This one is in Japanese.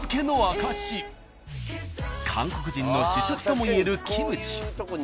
［韓国人の主食ともいえるキムチ］